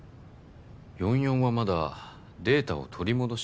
４４はまだデータを取り戻していない？